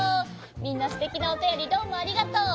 みんなすてきなおたよりどうもありがとう。